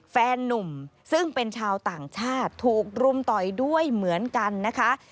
แฟนนุ่มซึ่งเป็นชาวต่างชาติถูกรุมต่อยด้วยเหมือนกันนะคะ